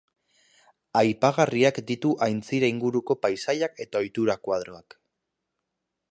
Aipagarriak ditu aintzira inguruko paisaiak eta ohitura koadroak.